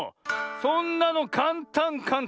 そんなのかんたんかんたん。